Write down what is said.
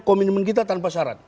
komitmen kita tanpa syarat